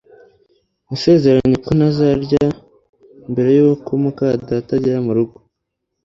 Nasezeranye ko ntazarya mbere yuko muka data agera murugo